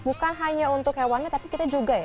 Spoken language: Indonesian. bukan hanya untuk hewannya tapi kita juga ya